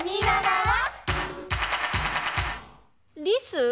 リス？